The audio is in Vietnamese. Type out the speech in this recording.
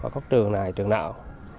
có trường này trường nào